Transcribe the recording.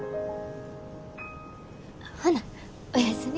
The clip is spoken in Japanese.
ほなおやすみ。